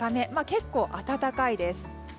結構、暖かいです。